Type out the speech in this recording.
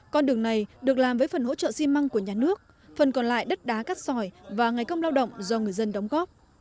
con đường này được làm với phần hỗ trợ xi măng của nhà nước phần còn lại đất đá cát sỏi và ngày công lao động do người dân đóng góp